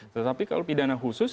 tetapi kalau pidana khusus